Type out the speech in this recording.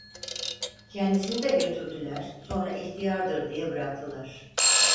Kendisini de götürdüler, sonra ihtiyardır diye bıraktılar.